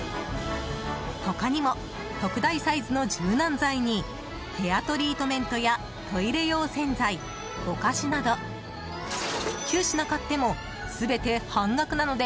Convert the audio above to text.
他にも、特大サイズの柔軟剤にヘアトリートメントやトイレ用洗剤お菓子など９品買っても全て半額なので